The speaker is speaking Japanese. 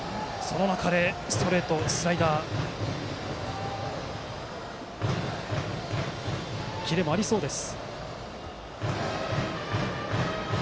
ストレートとスライダーにはキレもありそうです。